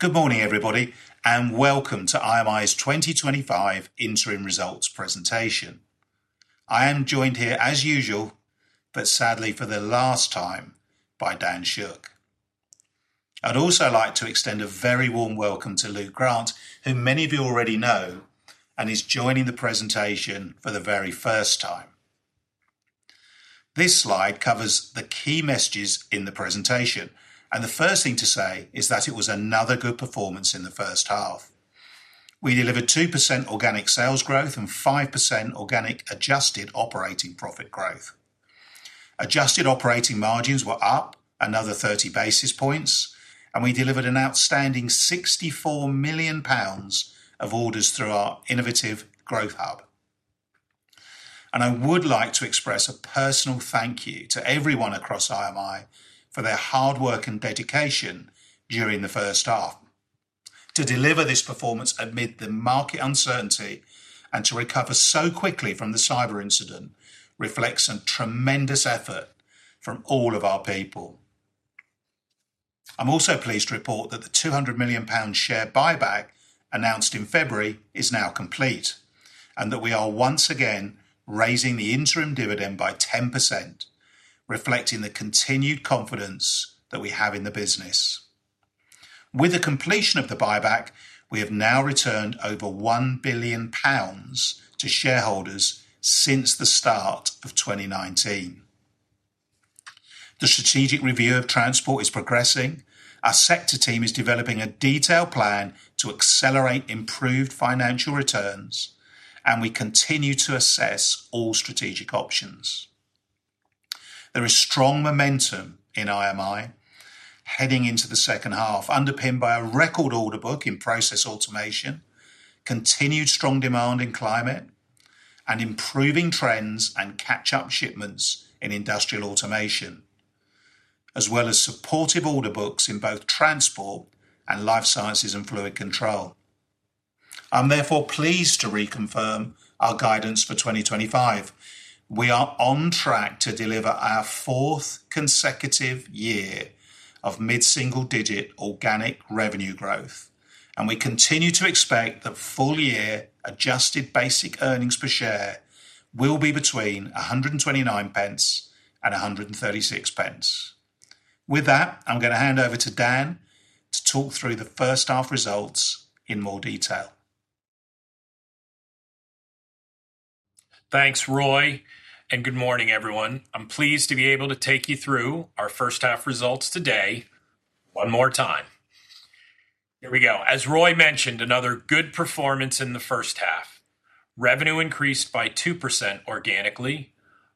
Good morning everybody and welcome to IMI's 2025 interim results presentation. I am joined here as usual, but sadly for the last time by Dan Shook. I'd also like to extend a very warm welcome to Luke Grant, who many of you already know and is joining the presentation for the very first time. This slide covers the key messages in the presentation, and the first thing to say is that it was another good performance in the first half. We delivered 2% organic sales growth and 5% organic adjusted operating profit growth. Adjusted operating margins were up another 30 basis points, and we delivered an outstanding 64 million pounds of orders through our innovative growth hub. I would like to express a personal thank you to everyone across IMI for their hard work and dedication during the first half. To deliver this performance amid the market uncertainty and to recover so quickly from the cyber incident reflects some tremendous effort from all of our people. I'm also pleased to report that the 200 million pound share buyback announced in February is now complete and that we are once again raising the interim dividend by 10%, reflecting the continued confidence that we have in the business. With the completion of the buyback, we have now returned over 1 billion pounds to shareholders since the start of 2019. The strategic review of the Transport division is progressing, our sector team is developing a detailed plan to accelerate improved financial returns, and we continue to assess all strategic options. There is strong momentum in IMI heading into the second half, underpinned by a record order book in Process Automation, continued strong demand in Climate, and improving trends and catch up shipments in Industrial Automation, as well as supportive order books in both Transport and Life Science & Fluid Control. I'm therefore pleased to reconfirm that our guidance for 2025 is that we are on track to deliver our fourth consecutive year of mid single digit organic revenue growth, and we continue to expect that full year adjusted basic earnings per share will be between 1.29 and 1.36. With that, I'm going to hand over to Dan to talk through the first half results in more detail. Thanks Roy, and good morning everyone. I'm pleased to be able to take you through our first half results today one more time. Here we go. As Roy mentioned, another good performance in the first half. Revenue increased by 2%, organically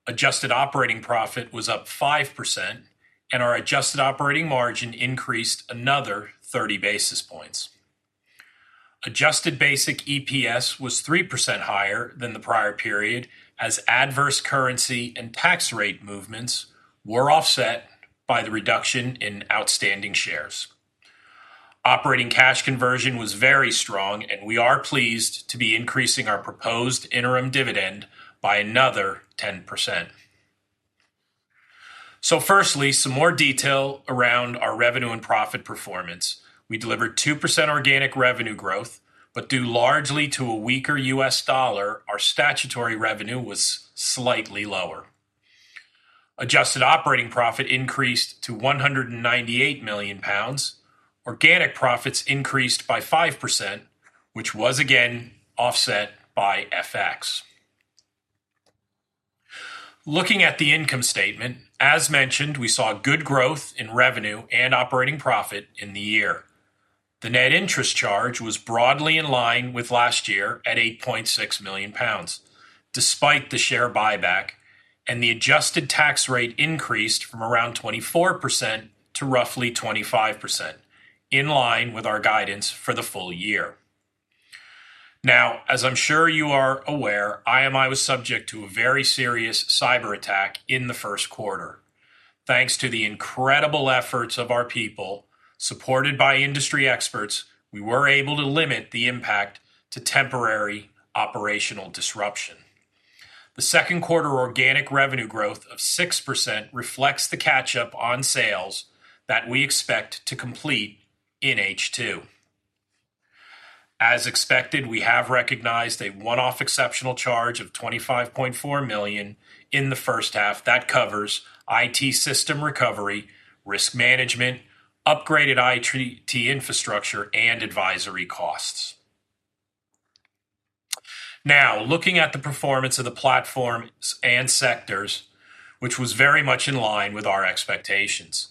adjusted operating profit was up 5%, and our adjusted operating margin increased another 30 basis points. Adjusted basic EPS was 3% higher than the prior period as adverse currency and tax rate movements were offset by the reduction in outstanding shares. Operating cash conversion was very strong, and we are pleased to be increasing our proposed interim dividend by another 10%. Firstly, some more detail around our revenue and profit performance. We delivered 2% organic revenue growth, but due largely to a weaker U.S. dollar, our statutory revenue was slightly lower. Adjusted operating profit increased to 198 million pounds. Organic profits increased by 5%, which was again offset by FX. Looking at the income statement, as mentioned, we saw good growth in revenue and operating profit in the year. The net interest charge was broadly in line with last year at 8.6 million pounds despite the share buyback, and the adjusted tax rate increased from around 24% to roughly 25% in line with our guidance for the full year. Now, as I'm sure you are aware, IMI was subject to a very serious cyber attack in the first quarter. Thanks to the incredible efforts of our people, supported by industry experts, we were able to limit the impact to temporary operational disruption. The second quarter organic revenue growth of 6% reflects the catch up on sales that we expect to complete in H2. As expected, we have recognized a one-off exceptional charge of 25.4 million in the first half that covers IT system recovery, risk management, upgraded IT infrastructure, and advisory costs. Now looking at the performance of the platform and sectors, which was very much in line with our expectations,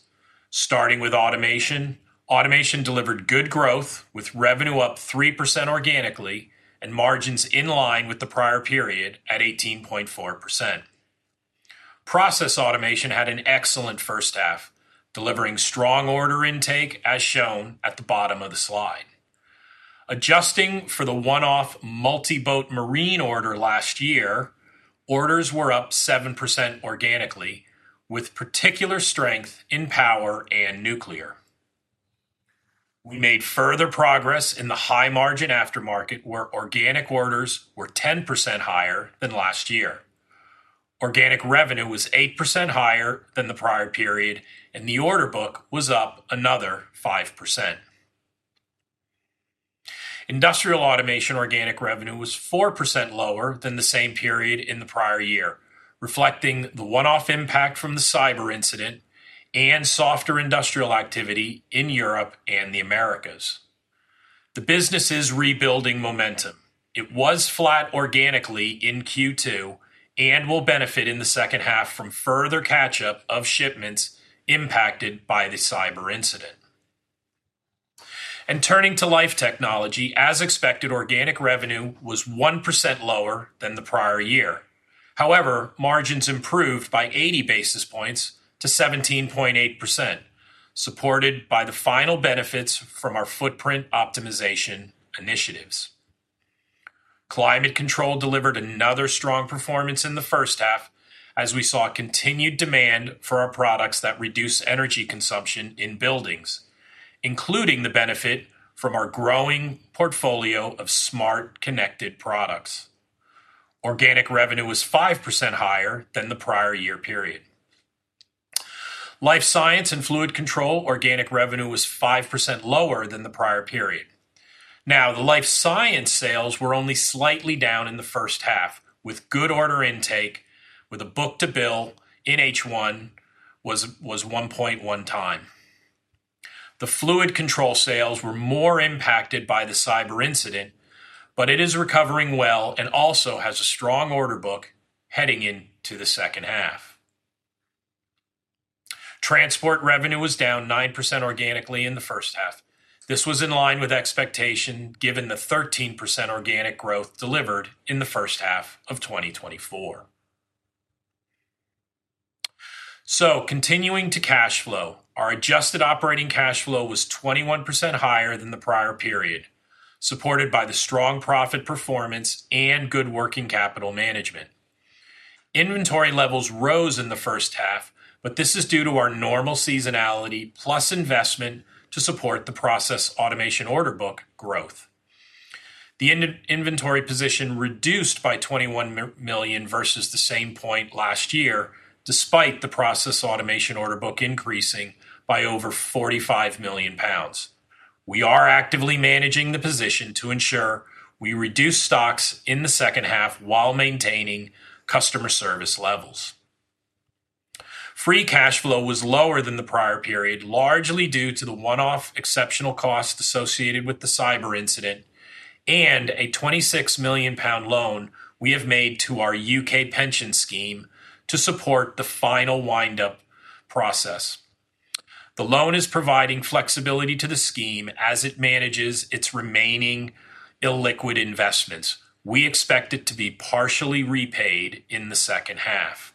starting with Automation. Automation delivered good growth with revenue up 3% organically and margins in line with the prior period at 18.4%. Process Automation had an excellent first half, delivering strong order intake as shown at the bottom of the slide. Adjusting for the one-off multi-boat marine order last year, orders were up 7% organically with particular strength in power and nuclear. We made further progress in the high margin aftermarket where organic orders were 10% higher than last year. Organic revenue was 8% higher than the prior period, and the order book was up another 5%. Industrial Automation organic revenue was 4% lower than the same period in the prior year, reflecting the one-off impact from the cyber incident and softer industrial activity in Europe and the Americas. The business is rebuilding momentum. It was flat organically in Q2 and will benefit in the second half from further catch-up of shipments impacted by the cyber incident. Turning to Life Technology, as expected, organic revenue was 1% lower than the prior year. However, margins improved by 80 basis points to 17.8%, supported by the final benefits from our footprint optimization initiatives. Climate Control delivered another strong performance in the first half as we saw continued demand for our products that reduce energy consumption in buildings, including the benefit from our growing portfolio of smart connected products. Organic revenue was 5% higher than the prior year period. Life Science and Fluid Control organic revenue was 5% lower than the prior period. The Life Science sales were only slightly down in the first half with good order intake, with a book to bill in H1 of 1.1x. The Fluid Control sales were more impacted by the cyber incident, but it is recovering well and also has a strong order book heading into the second half. Transport revenue was down 9% organically in the first half. This was in line with expectation given the 13% organic growth delivered in the first half of 2024. Continuing to cash flow, our adjusted operating cash flow was 21% higher than the prior period, supported by the strong profit performance and good working capital management. Inventory levels rose in the first half, but this is due to our normal seasonality plus investment to support the Process Automation order book growth. The inventory position reduced by 21 million versus the same point last year despite the Process Automation order book increasing by over 45 million pounds. We are actively managing the position to ensure we reduce stocks in the second half while maintaining customer service levels. Free cash flow was lower than the prior period largely due to the one-off exceptional cost associated with the cyber incident and a 26 million pound loan we have made to our U.K. pension scheme to support the final wind-up process. The loan is providing flexibility to the scheme as it manages its remaining illiquid investments. We expect it to be partially repaid in the second half.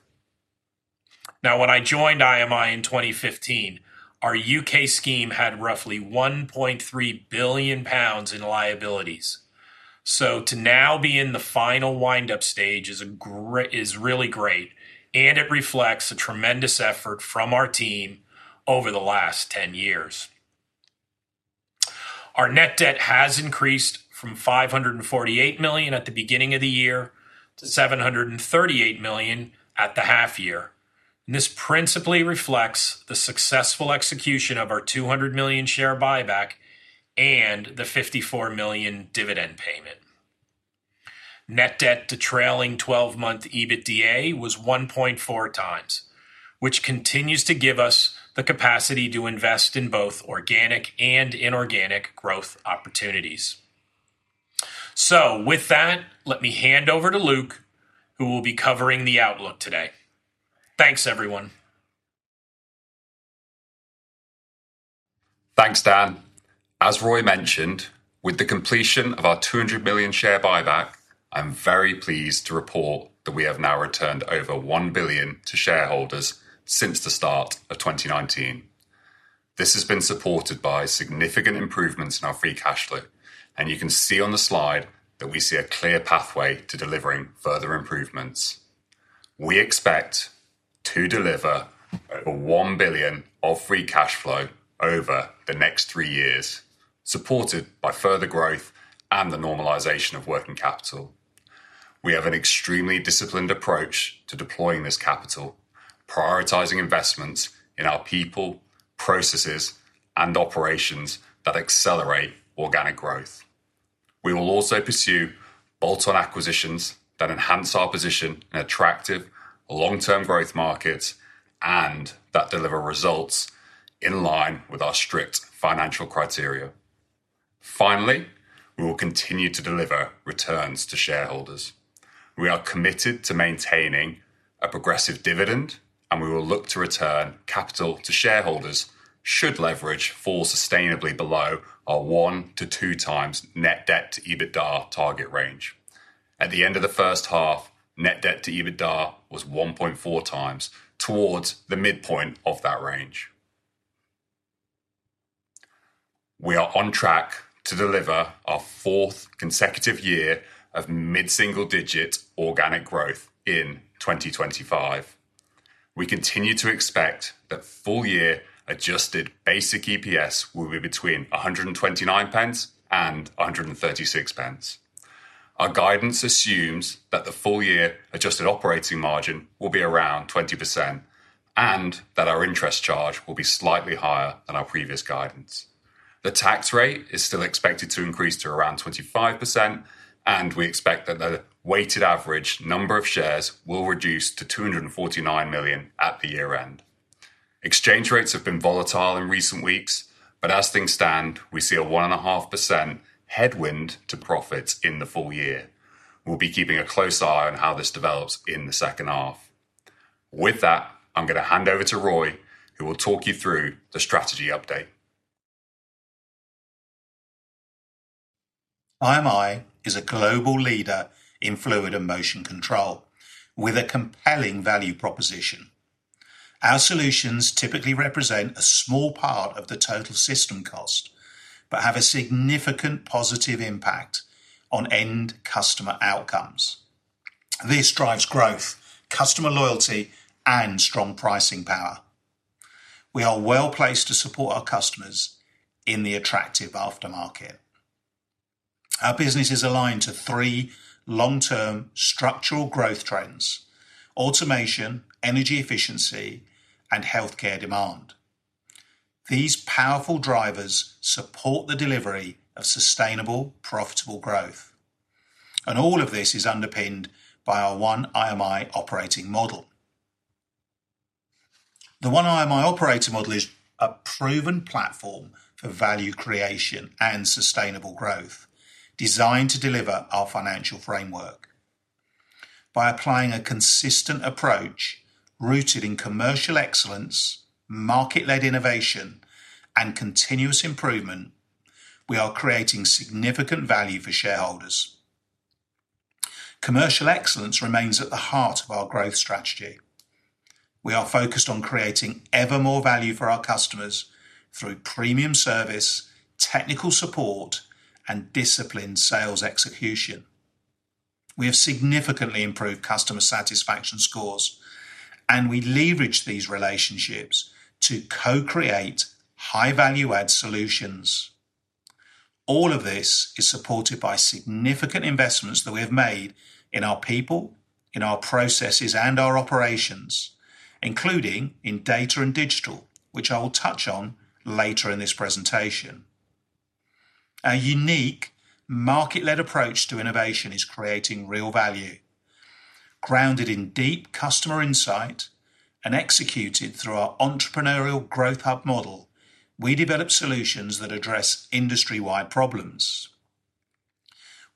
Now when I joined IMI in 2015, our U.K. scheme had roughly 1.3 billion pounds in liabilities. To now be in the final wind up stage is really great, and it reflects a tremendous effort from our team. Over the last 10 years, our net debt has increased from $548 million at the beginning of the year to $738 million at the half year, and this principally reflects the successful execution of our $200 million share buyback and the $54 million dividend payment. Net debt to trailing twelve month EBITDA was 1.4x, which continues to give us the capacity to invest in both organic and inorganic growth opportunities. With that, let me hand over to Luke, who will be covering the outlook today. Thanks everyone. Thanks Dan. As Roy mentioned, with the completion of our 200 million share buyback, I'm very pleased to report that we have now returned over 1 billion to shareholders since the start of 2019. This has been supported by significant improvements in our free cash flow, and you can see on the slide that we see a clear pathway to delivering further improvements. We expect to deliver 1 billion of free cash flow over the next three years, supported by further growth and the normalization of working capital. We have an extremely disciplined approach to deploying this capital, prioritizing investments in our people, processes, and operations that accelerate organic growth. We will also pursue bolt-on acquisitions that enhance our position in attractive long-term growth markets and that deliver results in line with our strict financial criteria. Finally, we will continue to deliver returns to shareholders. We are committed to maintaining a progressive dividend, and we will look to return capital to shareholders should leverage fall sustainably below our 1x-2x net debt to EBITDA target range. At the end of the first half, net debt to EBITDA was 1.4x, towards the midpoint of that range. We are on track to deliver our fourth consecutive year of mid-single-digit organic growth in 2025. We continue to expect that full-year adjusted basic EPS will be between 1.29 and 1.36. Our guidance assumes that the full-year adjusted operating margin will be around 20% and that our interest charge will be slightly higher than our previous guidance. The tax rate is still expected to increase to around 25%, and we expect that the weighted average number of shares will reduce to 249 million at the year end. Exchange rates have been volatile in recent weeks, but as things stand, we see a 1.5% headwind to profits in the full year. We'll be keeping a close eye on how this develops in the second half. With that, I'm going to hand over to Roy who will talk you through the strategy update. IMI is a global leader in fluid and motion control with a compelling value proposition. Our solutions typically represent a small part of the total system cost, but have a significant positive impact on end customer outcomes. This drives growth, customer loyalty, and strong pricing power. We are well placed to support our customers in the attractive aftermarket. Our business is aligned to three long-term structural growth trends: automation, energy efficiency, and healthcare demand. These powerful drivers support the delivery of sustainable, profitable growth, and all of this is underpinned by our One IMI operating model. The One IMI operating model is a proven platform for value creation and sustainable growth, designed to deliver our financial framework. By applying a consistent approach rooted in commercial excellence, market-led innovation, and continuous improvement, we are creating significant value for shareholders. Commercial excellence remains at the heart of our growth strategy. We are focused on creating ever more value for our customers through premium service, technical support, and disciplined sales execution. We have significantly improved customer satisfaction scores, and we leverage these relationships to co-create high value-add solutions. All of this is supported by significant investments that we have made in our people, in our processes, and our operations, including in data and digital, which I will touch on later in this presentation. Our unique market-led approach to innovation is creating real value, grounded in deep customer insight and executed through our entrepreneurial Growth Hub model. We develop solutions that address industry-wide problems.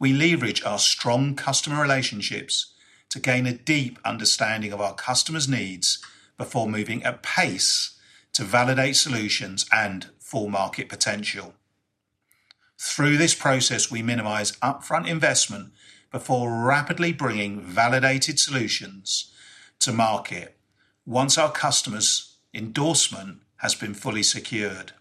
We leverage our strong customer relationships to gain a deep understanding of our customers' needs before moving at pace to validate solutions and full market potential. Through this process, we minimize upfront investment before rapidly bringing validated solutions to market once our customers' endorsement has been fully secured.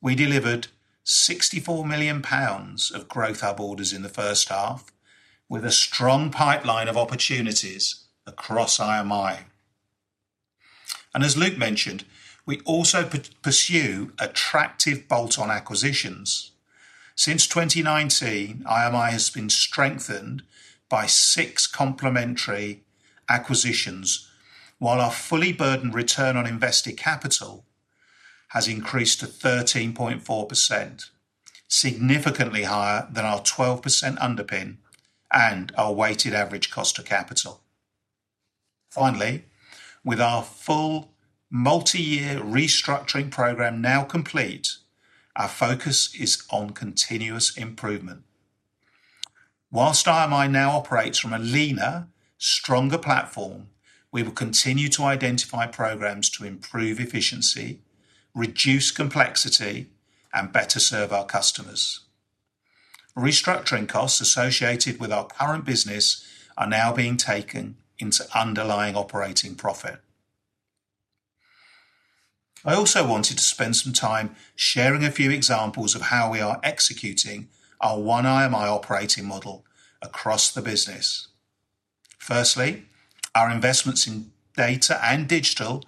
We delivered 64 million pounds of Growth Hub orders in the first half, with a strong pipeline of opportunities across IMI, and as Luke mentioned, we also pursue attractive bolt-on acquisitions. Since 2019, IMI has been strengthened by six complementary acquisitions, while our fully burdened return on invested capital has increased to 13.4%, significantly higher than our 12% underpin and our weighted average cost of capital. Finally, with our full multi-year restructuring program now complete, our focus is on continuous improvement. Whilst IMI now operates from a leaner, stronger platform, we will continue to identify programs to improve efficiency, reduce complexity, and better serve our customers. Restructuring costs associated with our current business are now being taken into underlying operating profit. I also wanted to spend some time sharing a few examples of how we are executing our One IMI operating model across the business. Firstly, our investments in data and digital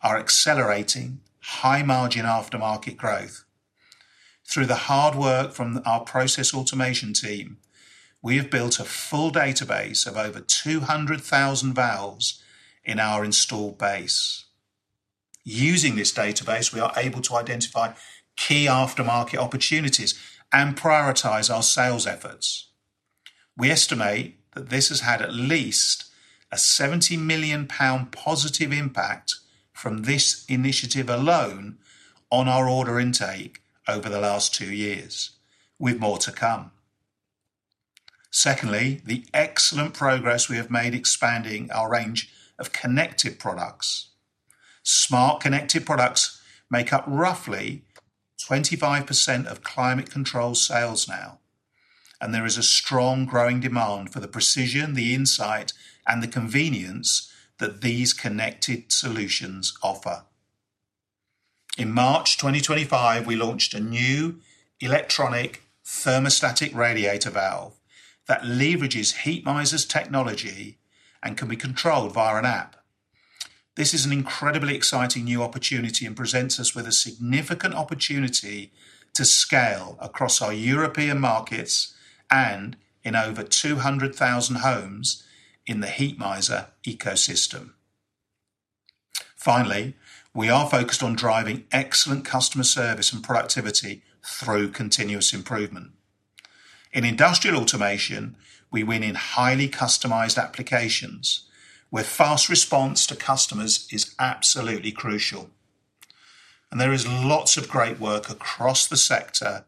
are accelerating high margin aftermarket growth. Through the hard work from our Process Automation team, we have built a full database of over 200,000 valves in our installed base. Using this database, we are able to identify key aftermarket opportunities and prioritize our sales efforts. We estimate that this has had at least a 70 million pound positive impact from this initiative alone on our order intake over the last two years, with more to come. Secondly, the excellent progress we have made expanding our range of connected products. Smart connected products make up roughly 25% of Climate Control sales now, and there is a strong, growing demand for the precision, the insight, and the convenience that these connected solutions offer. In March 2023, we launched a new electronic thermostatic radiator valve that leverages Heatmiser's technology and can be controlled via an app. This is an incredibly exciting new opportunity and presents us with a significant opportunity to scale across our European markets and in over 200,000 homes in the Heatmiser ecosystem. Finally, we are focused on driving excellent customer service and productivity through continuous improvement in Industrial Automation. We win in highly customized applications where fast response to customers is absolutely crucial, and there is lots of great work across the sector.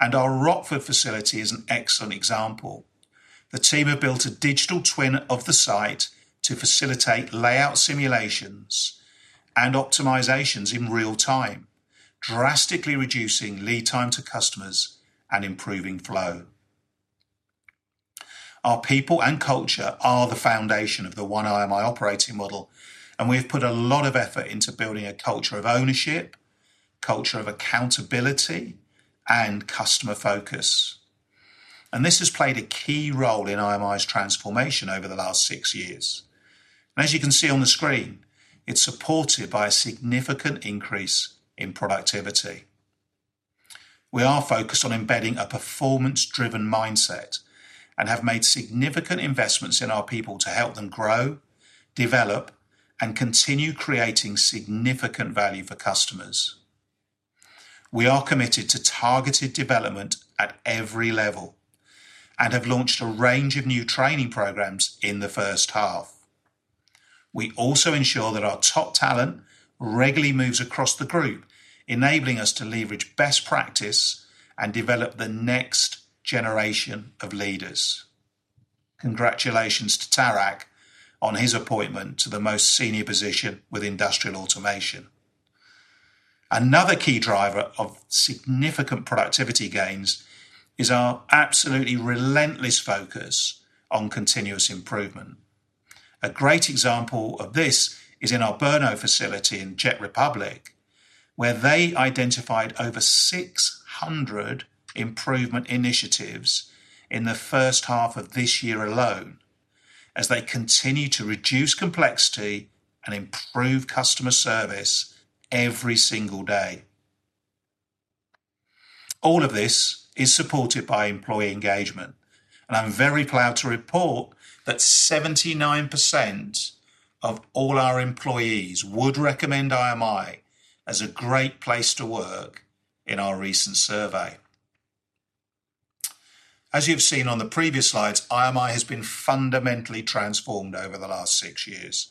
Our Rockford facility is an excellent example. The team have built a digital twin of the site to facilitate layout simulations and optimizations in real time, drastically reducing lead time to customers and improving flow. Our people and culture are the foundation of the One IMI operating model, and we have put a lot of effort into building a culture of ownership, accountability, and customer focus. This has played a key role in IMI's transformation over the last six years. As you can see on the screen, it's supported by a significant increase in productivity. We are focused on embedding a performance-driven mindset and have made significant investments in our people to help them grow, develop, and continue creating significant value for customers. We are committed to targeted development at every level and have launched a range of new training programs in the first half. We also ensure that our top talent regularly moves across the group, enabling us to leverage best practice and develop the next generation of leaders. Congratulations to Tarac on his appointment to the most senior position with Industrial Automation. Another key driver of significant productivity gains is our absolutely relentless focus on continuous improvement. A great example of this is in our Brno facility in Czech Republic, where they identified over 600 improvement initiatives in the first half of this year alone as they continue to reduce complexity and improve customer service every single day. All of this is supported by employee engagement, and I'm very proud to report that 79% of all our employees would recommend IMI as a great place to work in our recent survey. As you have seen on the previous slides, IMI has been fundamentally transformed over the last six years.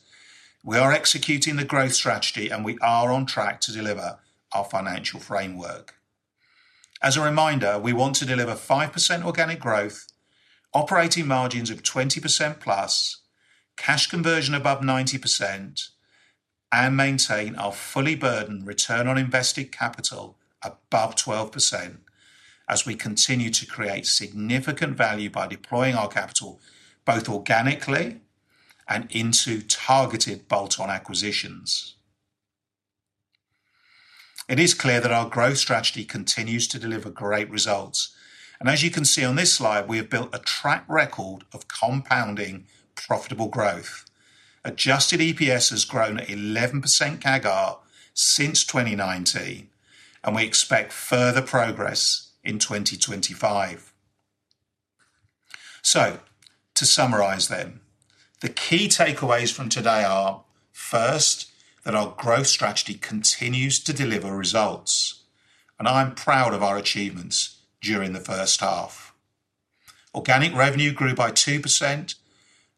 We are executing the growth strategy and we are on track to deliver our financial framework. As a reminder, we want to deliver 5% organic growth, operating margins of 20%+, cash conversion above 90%, and maintain our fully burdened return on invested capital above 12% as we continue to create significant value by deploying our capital both organically and into targeted bolt-on acquisitions. It is clear that our growth strategy continues to deliver great results, and as you can see on this slide, we have built a track record of compounding profitable growth. Adjusted EPS has grown at 11% CAGR since 2019, and we expect further progress in 2025. To summarize then, the key takeaways from today are first that our growth strategy continues to deliver results and I'm proud of our achievements. During the first half, organic revenue grew by 2%,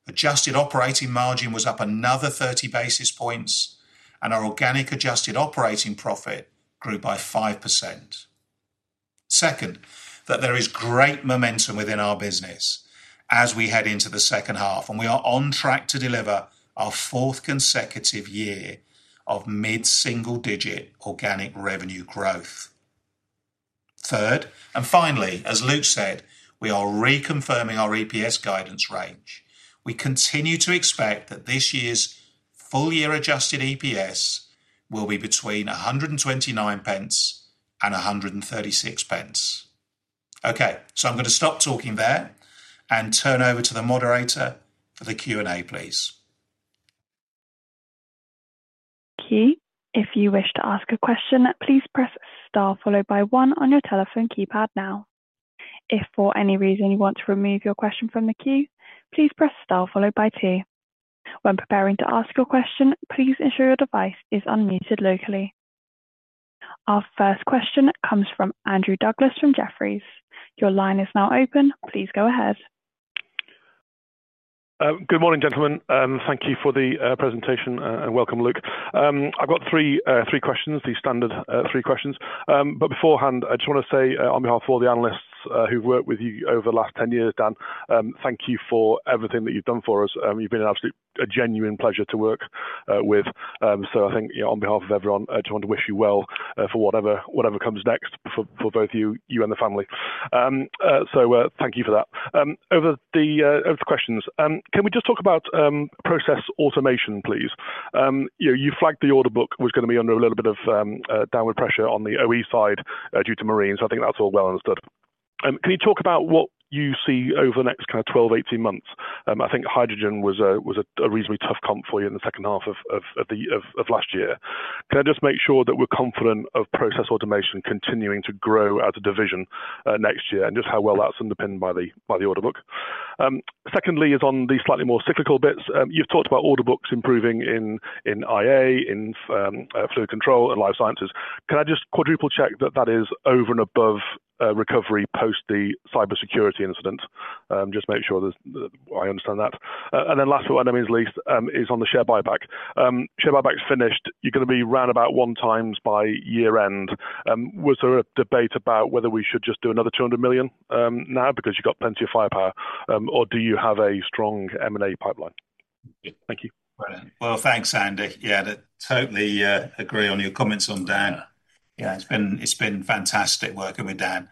adjusted operating margin was up another 30 basis points, and our organic adjusted operating profit grew by 5%. Second, there is great momentum within our business as we head into the second half and we are on track to deliver our fourth consecutive year of mid-single-digit organic revenue growth. Third. Finally, as Luke said, we are reconfirming our EPS guidance range. We continue to expect that this year's full year adjusted EPS will be between 1.29 and 1.36. Okay, I'm going to stop talking there and turn over to the moderator for the Q and A, please. If you wish to ask a question, please press star followed by one on your telephone keypad. If for any reason you want to remove your question from the queue, please press star followed by two. When preparing to ask your question, please ensure your device is unmuted locally. Our first question comes from Andrew Douglas from Jefferies. Your line is now open. Please go ahead. Good morning gentlemen. Thank you for the presentation and welcome. Luke, I've got three questions, the standard three questions. Beforehand I just want to say on behalf of all the analysts who've worked with you over the last 10 years, Dan, thank you for everything that you've done for us. You've been absolutely a genuine pleasure to work with. I think on behalf of everyone, I just want to wish you well for whatever comes next for both you and the family. Thank you for that. Questions. Can we just talk about Process Automation please? You flagged the order book was going to be under a little bit of downward pressure on the OE side due to marine. I think that's all well understood. Can you talk about what you see over the next 12, 18 months? I think hydrogen was a reasonably tough comp for you in the second half of last year. Can I just make sure that we're confident of Process Automation continuing to grow as a division next year and just how well that's underpinned by the order book? Secondly is on the slightly more cyclical bits. You've talked about order books improving in IA, in Fluid Control and Life Sciences. Can I just quadruple check that that is over and above recovery post the cyber security incident? Just make sure I understand that. Last but by no means least is on the share buyback. Share buybacks finished. You're going to be around about one times by year end. Was there a debate about whether we should just do another $200 million now because you've got plenty of firepower or do you have a strong M&A pipeline? Thank you. Thanks, Andy. I totally agree on your comments on Dan. It's been fantastic working with Dan,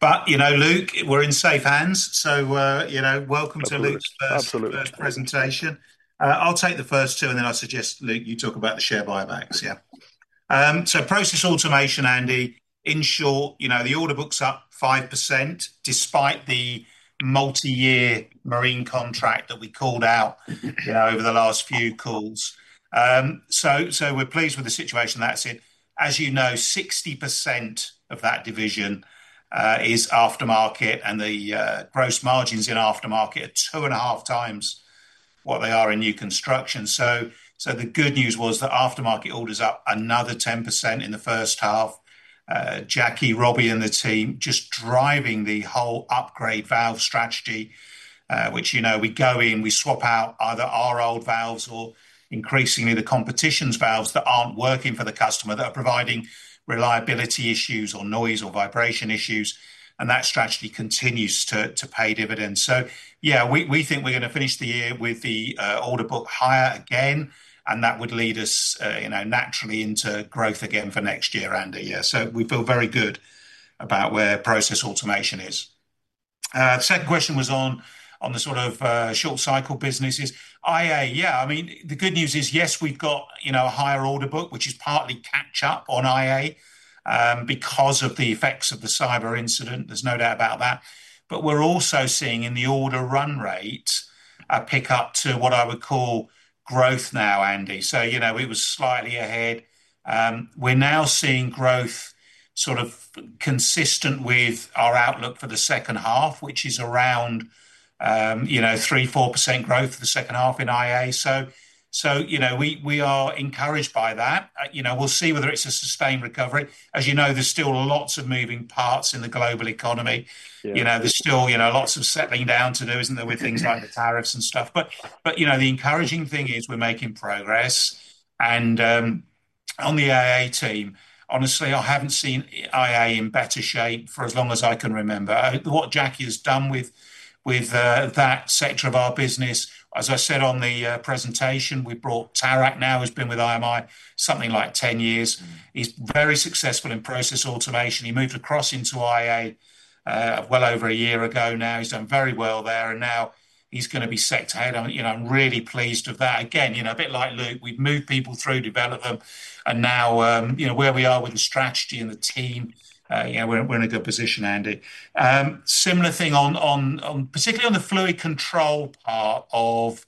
but, you know, Luke, we're in safe hands. Welcome to Luke's absolute presentation. I'll take the first two and then I suggest, Luke, you talk about the share buybacks. Process Automation, Andy, in short, the order book is up 5% despite the multi-year marine contract that we called out over the last few calls. We're pleased with the situation that's in. As you know, 60% of that division is aftermarket and the gross margins in aftermarket are 2.5x what they are in new construction. The good news was that aftermarket orders are up another 10% in the first half. Jackie, Robbie, and the team are just driving the whole upgrade valve strategy, which is where we go in, we swap out either our old valves or increasingly the competition's valves that aren't working for the customer, that are providing reliability issues or noise or vibration issues, and that strategy continues to pay dividends. We think we're going to finish the year with the order book higher again and that would lead us naturally into growth again for next year, Andy. We feel very good about where Process Automation is. The second question was on the sort of short cycle businesses, IA. The good news is, yes, we've got a higher order book which is partly catch up on IA because of the effects of the cyber incident, there's no doubt about that. We're also seeing in the order run rate pick up to what I would call growth now, Andy. We were slightly ahead. We're now seeing growth sort of consistent with our outlook for the second half, which is around 3%, 4% growth the second half in IA. We are encouraged by that. We'll see whether it's a sustained recovery. As you know, there's still lots of moving parts in the global economy. There's still lots of settling down to do, isn't there, with things like the tariffs and stuff. The encouraging thing is we're making progress and on the IA team, honestly, I haven't seen IA in better shape for as long as I can remember. What Jackie has done with that sector of our business, as I said on the presentation, we brought Tarak now, who's been with IMI something like 10 years. He's very successful in Process Automation. He moved across into IA well over a year ago now. He's done very well there and now he's going to be set ahead. I'm really pleased with that. Again, a bit like Luke, we've moved people through development and now where we are with the strategy and the team, we're in a good position. Andy, similar thing, particularly on the fluid control part of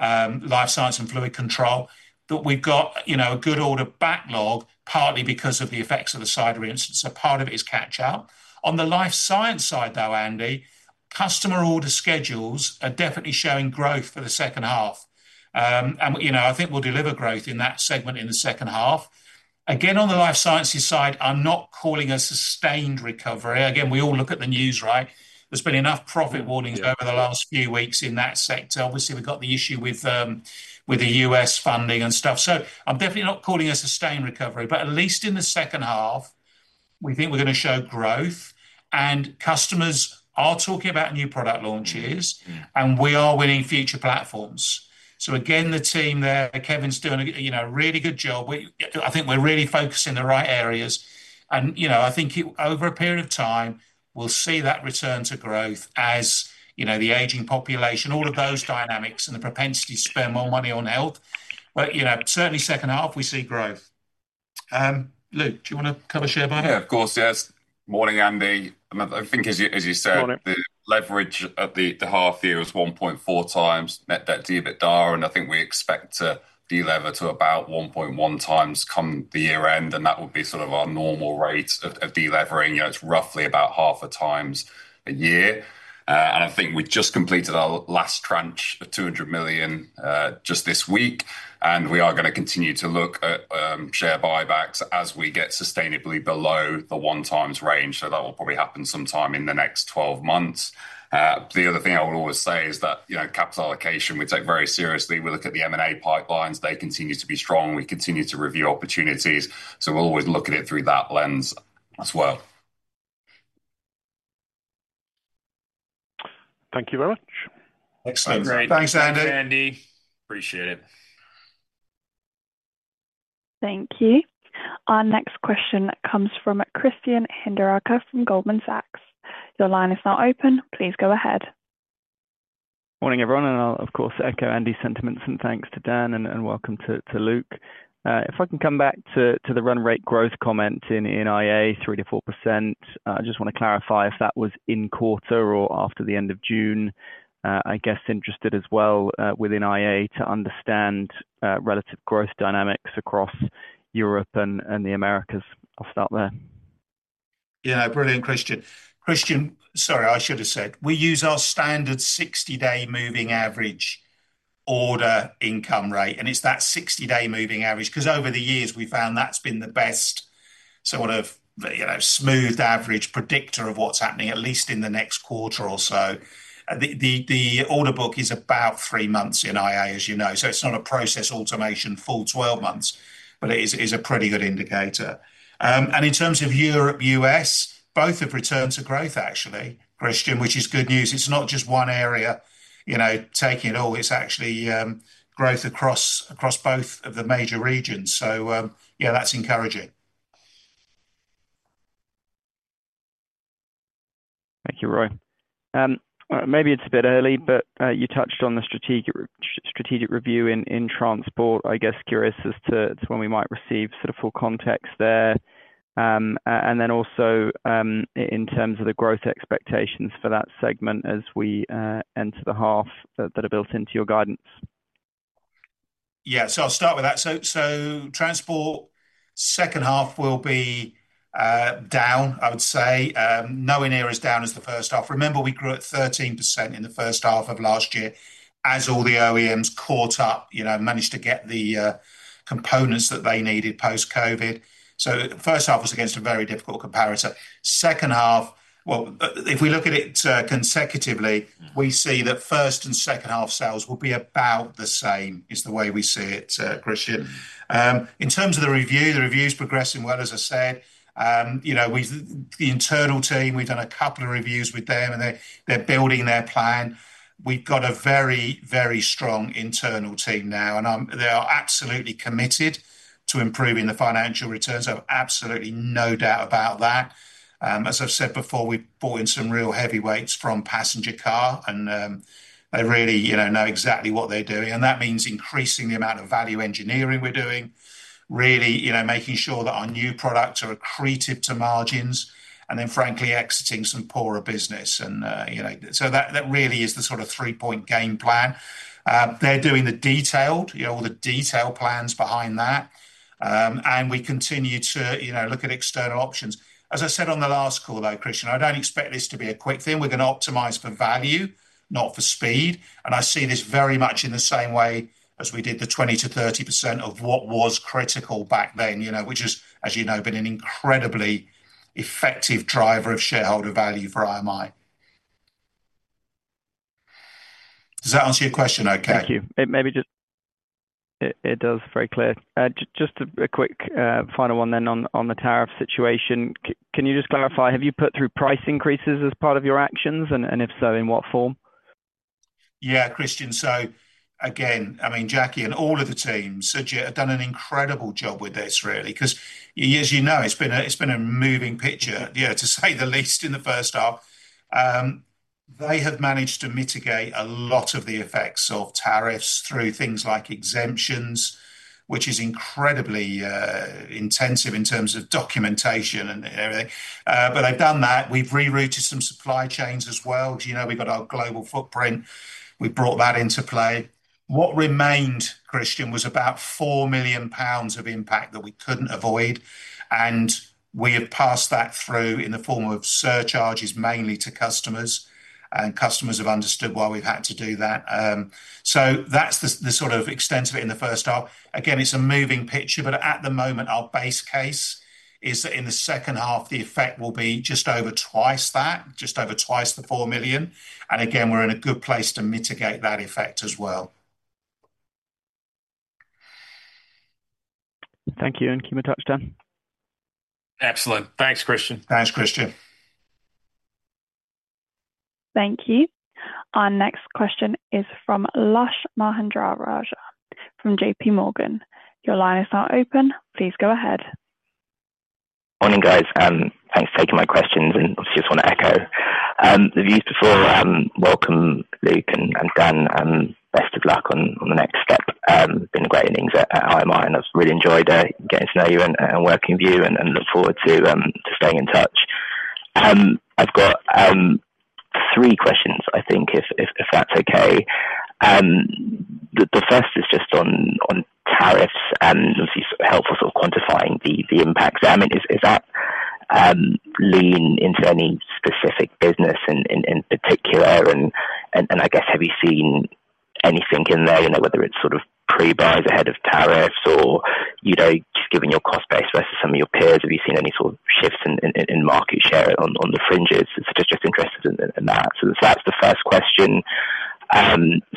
Life Science & Fluid Control, that we've got a good order backlog partly because of the effects of the site reinstance. Part of it is catch up. On the life science side though, Andy, customer order schedules are definitely showing growth for the second half and I think we'll deliver growth in that segment in the second half. Again, on the life sciences side, I'm not calling a sustained recovery. We all look at the news, right? There's been enough profit warnings over the last few weeks in that sector. Obviously we've got the issue with the U.S. funding and stuff. I'm definitely not calling a sustained recovery. At least in the second half we think we're going to show growth and customers are talking about new product launches and we are winning future platforms. The team there, Kevin's doing a really good job. I think we're really focused in the right areas and I think over a period of time we'll see that return to growth as the aging population, all of those dynamics and the propensity to spend more money on health. Certainly, second half we see growth. Luke, do you want to cover share buy? Yeah, of course. Yes. Morning, Andy. I think as you said, the leverage at the half year is 1.4x net debt to EBITDA, and I think we expect to delever to about 1.1x come the year end. That would be sort of our normal rate of delevering. It's roughly about half a times a year, and I think we just completed our last tranche of 200 million just this week. We are going to continue to look at share buybacks as we get sustained below the 1x range. That will probably happen sometime in the next 12 months. The other thing I would always say is that capital allocation we take very seriously. We look at the M&A pipelines, they continue to be strong, we continue to review opportunities. We'll always look at it through that lens as well. Thank you very much. Excellent. Thanks, Andy. Appreciate it. Thank you. Our next question comes from Christian Hinderaker from Goldman Sachs. Your line is now open. Please go ahead. Morning everyone, and I'll of course echo Andy's sentiments. Thanks to Dan and welcome to Luke. If I can come back to the run rate growth comment in IA 3%-4%. I just want to clarify if that was in quarter or after the end of June. I guess interested as well within IA to understand relative growth dynamics across Europe and the Americas. I'll start there. Yeah, brilliant. Christian, sorry, I should have said we use our standard 60-day moving average order income rate, and it's that 60-day moving average because over the years we've found that's been the best sort of smooth average predictor of what's happening at least in the next quarter or so. The order book is about three months in IA, as you know. It's not a Process Automation full 12 months, but it is a pretty good indicator. In terms of Europe, U.S. both have returned to growth actually, Christian, which is good news. It's not just one area taking it all, it's actually growth across both of the major regions. That's encouraging. Thank you, Roy. Maybe it's a bit early, but you touched on the strategic review in the Transport division, I guess. Curious as to when we might receive full context there, and then also in terms of the growth expectations for that segment as we enter the half that are built into your guidance. Yeah, I'll start with that. Transportation, second half will be down, I would say nowhere near as down as the first half. Remember we grew at 13% in the first half of last year as all the OEMs caught up, managed to get the components that they needed post COVID. First half was against a very difficult comparison. Second half, if we look at it consecutively, we see that first and second half sales will be about the same is the way we see it. Christian, in terms of the review, the review is progressing well as I said, the internal team, we've done a couple of reviews with them and they're building their plan. We've got a very, very strong internal team now and they are absolutely committed to improving the financial returns. I have absolutely no doubt about that. As I've said before, we brought in some real heavyweights from passenger car and they really know exactly what they're doing and that means increasing the amount of value engineering we're doing, really making sure that our new products are accretive to margins and then frankly exiting some poorer business. That really is the sort of three point game plan. They're doing all the detailed plans behind that and we continue to look at external options. As I said on the last call, Christian, I don't expect this to be a quick thing. We're going to optimize for value, not for speed. I see this very much in the same way as we did the 20%-30% of what was critical back then, which is, as you know, been an incredibly effective driver of shareholder value for IMI. Does that answer your question? Okay, thank you. Very clear. Just a quick final one on the tariff situation. Can you just clarify, have you put through price increases as part of your actions, and if so, in what form? Yeah, Christian. Again, I mean, Jackie and all of the teams have done an incredible job with this, really, because as you know, it's been a moving picture. To say the least. In the first half they have managed to mitigate a lot of the effects of tariffs through things like exemptions, which is incredibly intensive in terms of documentation and everything. They've done that. We've rerouted some support supply chains as well. We've got our global footprint. We brought that into play. What remained, Christian, was about 4 million pounds of impact that we couldn't avoid. We have passed that through in the form of surcharges mainly to customers, and customers have understood why we've had to do that. That's the sort of extent of it in the first half. Again, it's a moving picture, but at the moment our base case is that in the second half the effect will be just over twice that, just over twice the 4 million. Again, we're in a good place to mitigate that effect as well. Thank you. Keep a touchdown. Excellent. Thanks, Christian. Thanks, Christian. Thank you. Our next question is from Lush Mahendrarajah from JPMorgan. Your line is now open. Please go ahead. Morning guys. Thanks for taking my questions and just want to echo the views before. Welcome Luke and Dan, best of luck on the next step. Been a great evening at IMI and I've really enjoyed getting to know you and working with you and look forward to staying in touch. I've got three questions I think if that's okay. The first is just on tariffs and helpful sort of quantifying the impact. Does that lean into any specific business in particular and have you seen anything in there, whether it's pre-buys ahead of tariffs or just given your cost base versus some of your peers, have you seen any shifts in market share on the fringes? Just interested in that. That's the first question.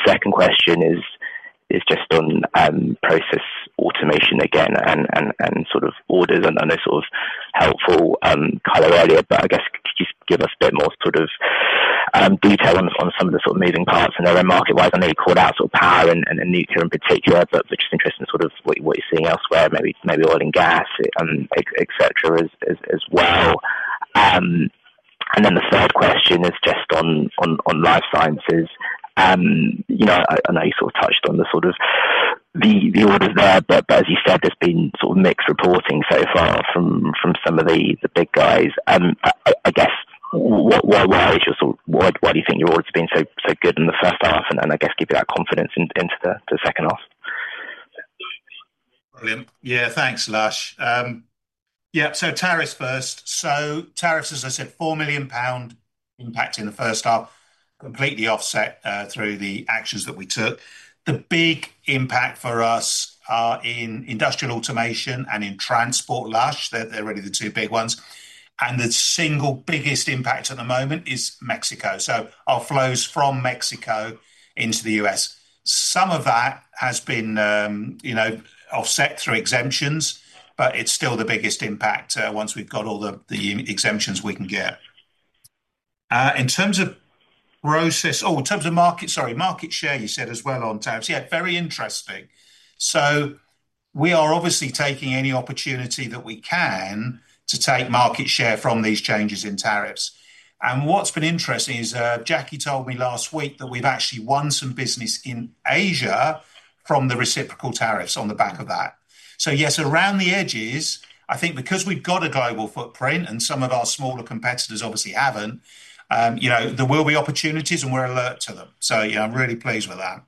Second question is just on Process Automation again and orders and this helpful color earlier. Could you give us a bit more detail on some of the moving parts in there market wise? I know you called out power and nuclear in particular, but just interested in what you're seeing elsewhere, maybe oil and gas etc. as well. The third question is just on Life Science. I know you touched on the orders there, but as you said, there's been mixed reporting so far from some of the big guys. Why do you think your orders have been so good in the first half and does that give you that confidence into the second half? Brilliant. Yeah, thanks. Lush. Tariffs first. Tariffs, as I said, 4 million pound impact in the first half, completely offset through the actions that we took. The big impact for us in Industrial Automation and in the Transport division, Lush, they're already the two big ones, and the single biggest impact at the moment is Mexico. Our flows from Mexico into the U.S., some of that has been offset through exemptions, but it's still the biggest impact once we've got all the exemptions we can get in terms of process. In terms of market, sorry, market share you said as well, on tariffs. Very interesting. We are obviously taking any opportunity that we can to take market share from these changes in tariffs. What's been interesting is Jackie told me last week that we've actually won some business in Asia from the reciprocal tariffs on the back of that. Yes, around the edges, I think, because we've got a global footprint and some of our smaller competitors obviously haven't, there will be opportunities and we're alert to them. I'm really pleased with that.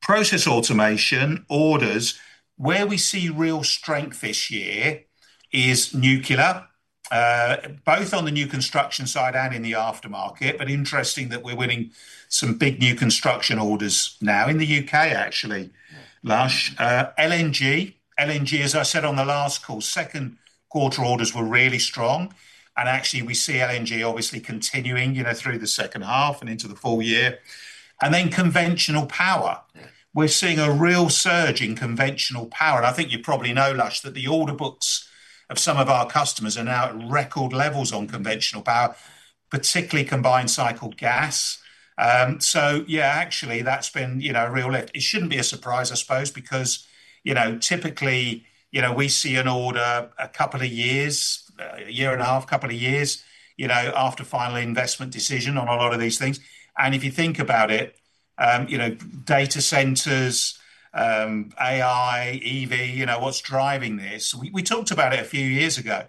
Process Automation orders, where we see real strength this year is nuclear, both on the new construction side and in the aftermarket. Interesting that we're winning some big new construction orders now in the U.K., actually. Lush. LNG, LNG, as I said on the last call, second quarter orders were really strong and we see LNG obviously continuing through the second half and into the full year. Then conventional power, we're seeing a real surge in conventional power and I think you probably know, Lush, that the order books of some of our customers are now at record levels on conventional power, particularly combined cycle gas. That's been a real lift. It shouldn't be a surprise, I suppose, because typically we see an order a couple of years, a year and a half, couple of years after final investment decision on a lot of these things. If you think about it, data centers, AI, EV, what's driving this? We talked about it a few years ago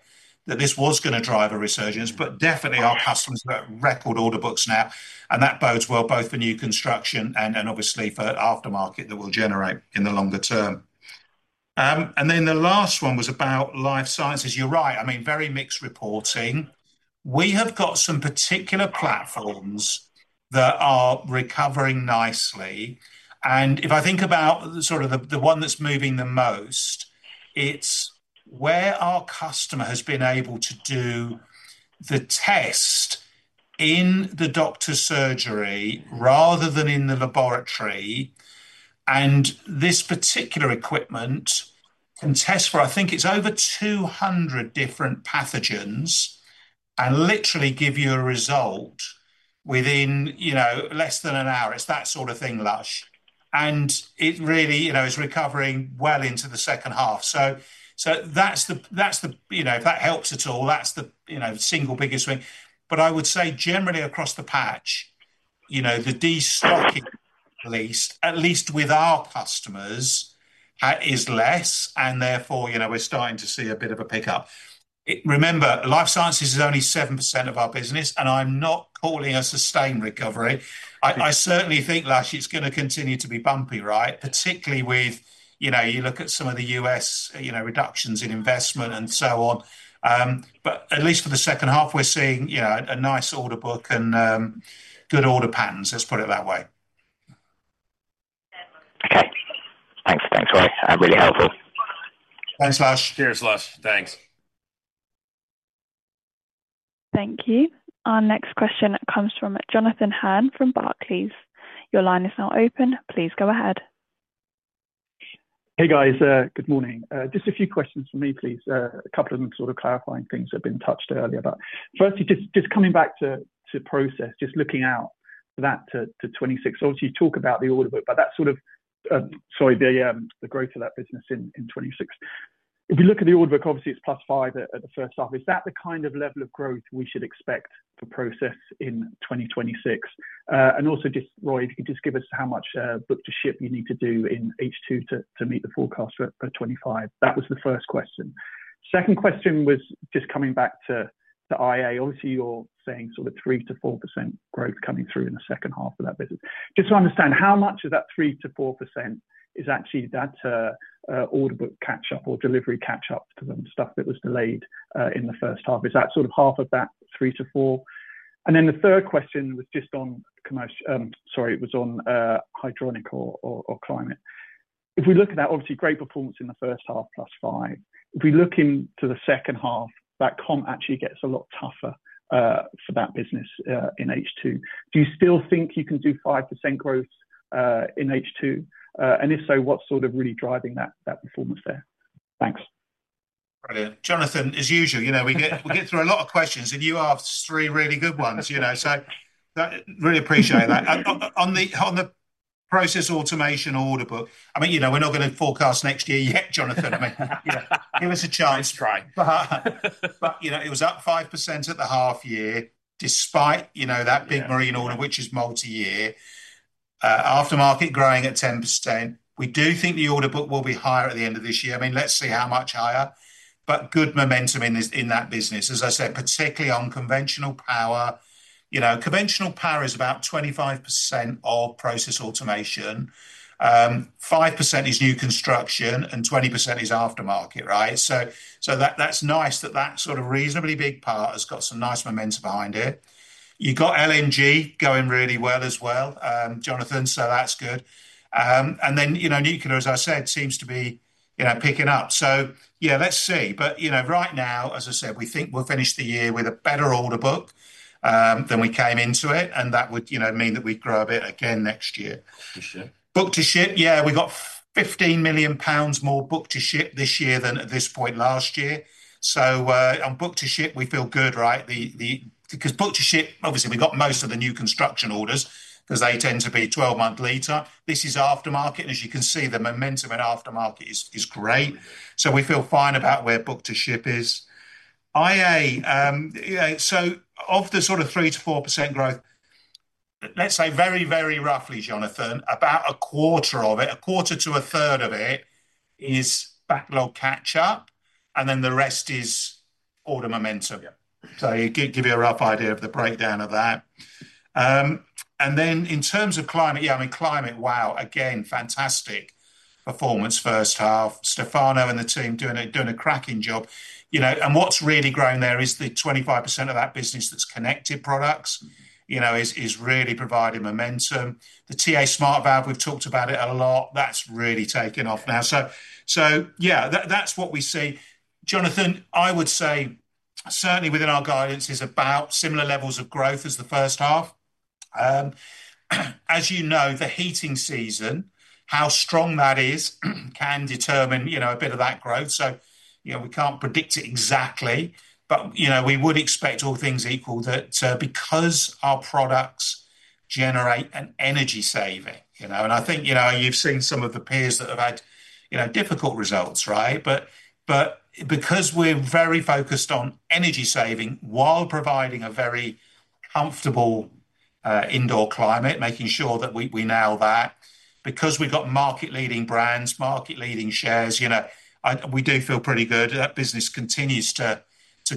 that this was going to drive a resurgence. Definitely our customers have got record order books now, and that bodes well both for new construction and obviously for aftermarket that will generate in the longer term. The last one was about Life Sciences. You're right. Very mixed reporting. We have got some particular platforms that are recovering nicely. If I think about sort of the one that's moving the most, it's where our customer has been able to do the test in the doctor's surgery rather than in the laboratory. This particular equipment can test for, I think it's over 200 different pathogens and literally give you a result within less than an hour. It's that sort of thing. It really is recovering well into the second half. That's the, you know, if that helps at all. That's the single biggest thing. I would say generally across the patch, the destocking, at least with our customers, is less and therefore we're starting to see a bit of a pickup. Remember, Life Sciences is only 7% of our business. I'm not calling a sustained recovery. I certainly think it's going to continue to be bumpy, right? Particularly, you look at some of the U.S. reductions in investment and so on. At least for the second half, we're seeing a nice order book and good order patterns, let's put it that way. Okay, thanks. Thanks, Roy. Really helpful. Thanks, Lush. Cheers Lush. Thanks. Thank you. Our next question comes from Jonathan Hurn from Barclays. Your line is now open. Please go ahead. Hey, guys, good morning. Just a few questions for me, please. A couple of them sort of clarifying things that have been touched earlier. Firstly, just coming back to Process, just looking out for that to 2026. Obviously, you talk about the order book, but that's sort of, sorry, the growth of that business in 2026. If you look at the order book, obviously it's 5%+ at the first half. Is that the kind of level of growth we should expect for Process in 2026? Also, just Roy, if you could just give us how much book to ship you need to do in H2 to meet the forecast for 2025. That was the first question. Second question was just coming back to the IA. Obviously, you're saying sort of 3%-4% growth coming through in the second half of that business. Just to understand how much of that 3%-4% is actually that order book catch up or delivery catch up to the stuff that was delayed in the first half. Is that sort of half of that 3%-4%? The third question was just on commercial, sorry, it was on Hydronic or Climate. If we look at that, obviously great performance in the first half, 5%+. If we look into the second half, that comp actually gets a lot tougher for that business in H2. Do you still think you can do 5% growth in H2? If so, what's really driving that performance? Thanks. Brilliant, Jonathan, as usual. You know, we get through a lot of questions and you asked three really good ones, so really appreciate that. On the Process Automation order book, I mean, we're not going to forecast next year yet, Jonathan, give us a chance. It was up 5% at the half year despite that big marine order, which is multi-year aftermarket, growing at 10%. We do think the order book will be higher at the end of this year. Let's see how much higher, but good momentum in that business. As I said, particularly on conventional power, conventional power is about 25% of Process Automation. 5% is new construction and 20% is aftermarket. That's nice that that sort of reasonably big part has got some nice momentum behind it. You got LNG going really well as well, Jonathan, so that's good. Nuclear, as I said, seems to be picking up. Let's see. Right now, as I said, we think we'll finish the year with a better order book than we came into it, and that would mean that we grow a bit again next year. Book to ship, we got 15 million pounds more book to ship this year than at this point last year. On book to ship we feel good, right, because book to ship, obviously we got most of the new construction orders because they tend to be 12 month lead time. This is aftermarket. As you can see, the momentum in aftermarket is great. We feel fine about where book to ship is IA. Of the sort of 3%-4% growth, let's say very, very roughly, Jonathan, about 1/4 of it, 1/4-1/3 of it is backlog catch up and then the rest is order momentum. That gives you a rough idea of the breakdown of that. In terms of Climate, yeah, I mean Climate, wow. Again, fantastic performance first half. Stefano and the team doing a cracking job. What's really grown there is the 25% of that business that's connected products is really providing momentum. The TA-Smart valve, we've talked about it a lot, that's really taken off now. That's what we see. Jonathan, I would say certainly within our guidance is about similar levels of growth as the first half. As you know, the heating season, how strong that is can determine a bit of that growth. We can't predict it exactly, but we would expect all things equal that because our products generate an energy saving, and I think you've seen some of the peers that have had difficult results. Right, because we're very focused on energy saving while providing a very comfortable indoor climate, making sure that we nail that because we've got market leading brands, market leading shares, you know, we do feel pretty good that business continues to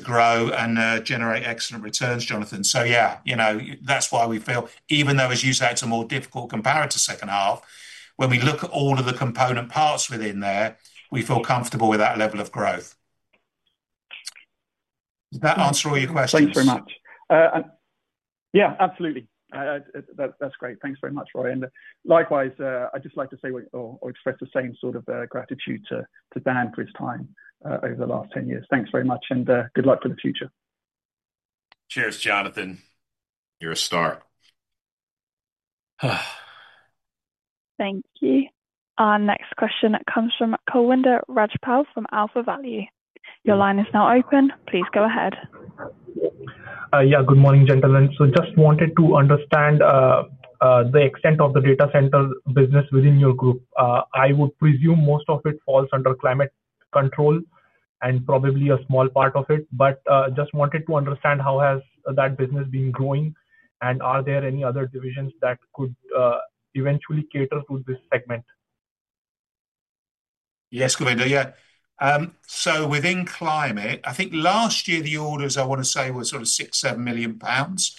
grow and generate excellent returns, Jonathan. Yeah, that's why we feel even though as you say it's a more difficult comparative second half, when we look at all of the component parts within there, we feel comfortable with that level of growth. Does that answer all your questions? Thanks very much. Yeah, absolutely. That's great. Thanks very much, Roy. Likewise, I'd just like to express the same sort of gratitude to Dan for his time over the last 10 years. Thanks very much and good luck for the future. Cheers. Jonathan, you're a star. Thank you. Our next question comes from Kulwinder Rajpal from AlphaValue. Your line is now open. Please go ahead. Good morning gentlemen. Just wanted to understand the extent of the data center business within your group. I would presume most of it falls under Climate Control and probably a small part of it, but just wanted to understand how has that business been growing and are there any other divisions that could eventually cater to this segment? Yes, Kulwinder. Yeah, so within Climate I think last year the orders I want to say was sort of 6.7 million pounds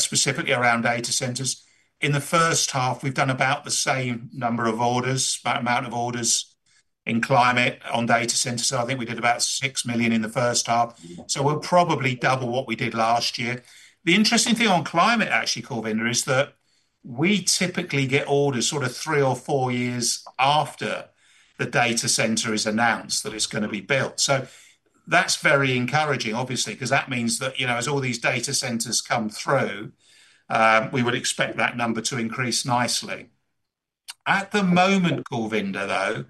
specifically around data centers. In the first half we've done about the same amount of orders in Climate on data centers. I think we did about 6 million in the first half. We'll probably double what we did last year. The interesting thing on Climate actually, Kulwinder, is that we typically get orders three or four years after the data center is announced that it's going to be built. That's very encouraging obviously because that means that as all these data centers come through we would expect that number to increase nicely at the moment. Kulwinder, though,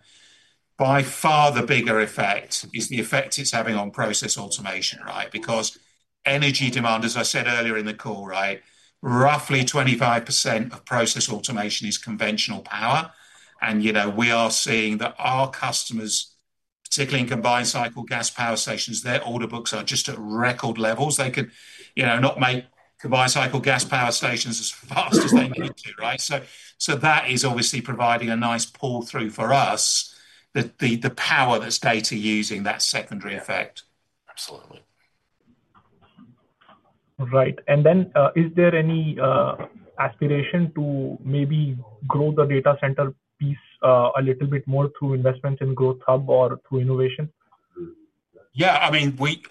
by far the bigger effect is the effect it's having on Process Automation. Right, because energy demand, as I said earlier in the call, roughly 25% of Process Automation is conventional power and we are seeing that our customers, particularly in combined cycle gas power stations, their order books are just at record levels. They could not make combined cycle gas power stations as fast as they need to. That is obviously providing a nice pull through for us. The power. That's data using that secondary effect. Absolutely. Right. Is there any aspiration to maybe grow the data center piece a little bit more through investment in growth hub or through innovation?